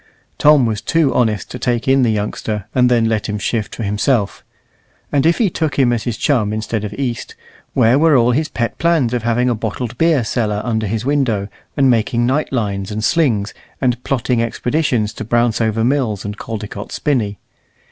Tom was too honest to take in the youngster, and then let him shift for himself; and if he took him as his chum instead of East, where were all his pet plans of having a bottled beer cellar under his window, and making night lines and slings, and plotting expeditions to Brownsover Mills and Caldecott's Spinney?